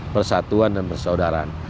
persatuan dan persaudaraan